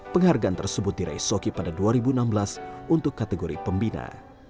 penghargaan tersebut diraih soki pada dua ribu enam belas untuk kategori pembina